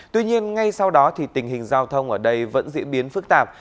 tuy nhiên ngay sau đó tình hình giao thông ở đây vẫn diễn biến phức tạp